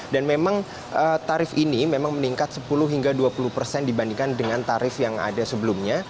dan memang tarif ini meningkat sepuluh hingga dua puluh persen dibandingkan dengan tarif yang ada sebelumnya